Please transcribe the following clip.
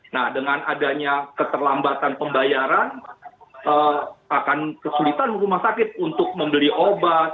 nah dengan adanya keterlambatan pembayaran akan kesulitan rumah sakit untuk membeli obat